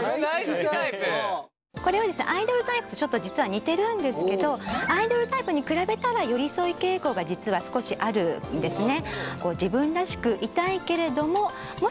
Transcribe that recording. これはですねアイドルタイプとちょっと実は似てるんですけどアイドルタイプに比べたら寄り添い傾向が実は少しあるんですね。